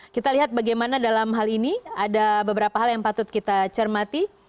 kita lihat bagaimana dalam hal ini ada beberapa hal yang patut kita cermati